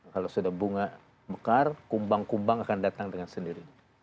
kalau sudah bunga mekar kumbang kumbang akan datang dengan sendiri